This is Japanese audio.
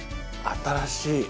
新しい。